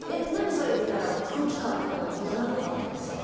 それ」みたいな空気感とかにならなかったんですか？